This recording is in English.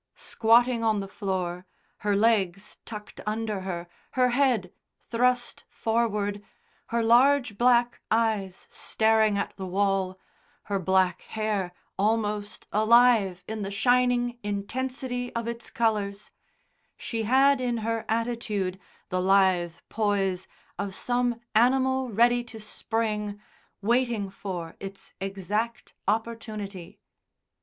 Squatting on the floor, her legs tucked under her, her head thrust forward, her large black eyes staring at the wall, her black hair almost alive in the shining intensity of its colours, she had in her attitude the lithe poise of some animal ready to spring, waiting for its exact opportunity.